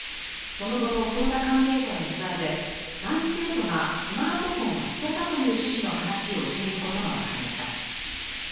その後の捜査関係者への取材で男子生徒がスマートフォンは捨てたという趣旨の話をしていることが分かりました